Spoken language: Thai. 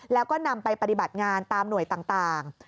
แล้วก็นำไปปฏิบัติงานตามหน่วยต่าง